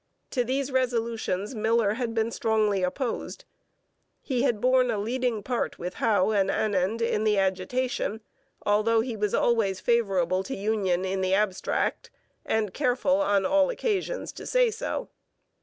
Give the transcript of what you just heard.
To these resolutions Miller had been strongly opposed. He had borne a leading part with Howe and Annand in the agitation, although he was always favourable to union in the abstract and careful on all occasions to say so.